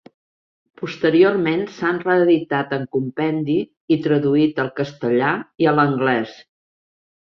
Posteriorment s'han reeditat en compendi, i traduït al castellà i a l'anglès.